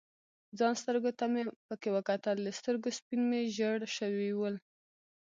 ځان سترګو ته مې پکې وکتل، د سترګو سپین مې ژړ شوي ول.